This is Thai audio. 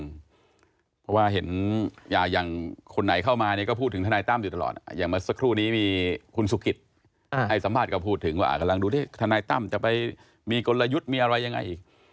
เพราะว่าเห็นอย่างคนไหนเข้ามาเนี่ยก็พูดถึงทนายตั้มอยู่ตลอดอย่างเมื่อสักครู่นี้มีคุณสุกิตให้สัมภาษณ์ก็พูดถึงว่ากำลังดูที่ทนายตั้มจะไปมีกลยุทธ์มีอะไรยังไงอีก